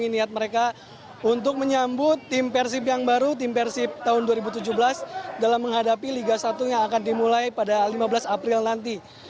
saya juga sangat berharap bahwa mereka akan mengatur niat mereka untuk menyambut tim persib yang baru tim persib tahun dua ribu tujuh belas dalam menghadapi liga satu yang akan dimulai pada lima belas april nanti